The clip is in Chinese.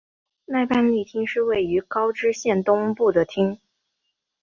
奈半利町是位于高知县东部的町。